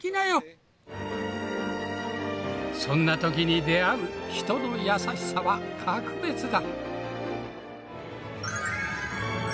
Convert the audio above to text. そんな時に出会う人の優しさは格別だ。